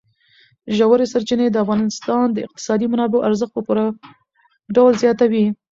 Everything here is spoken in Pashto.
ژورې سرچینې د افغانستان د اقتصادي منابعو ارزښت په پوره ډول زیاتوي.